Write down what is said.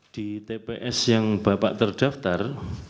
di tps yang bapak terdaftar